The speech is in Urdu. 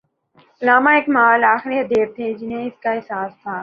علامہ اقبال آخری ادیب تھے جنہیں اس کا احساس تھا۔